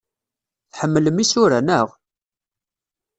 Tḥemmlem isura, naɣ?